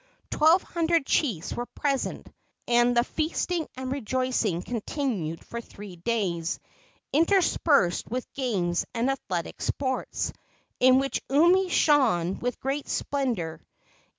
Twelve hundred chiefs were present, and the feasting and rejoicing continued for three days, interspersed with games and athletic sports, in which Umi shone with great splendor.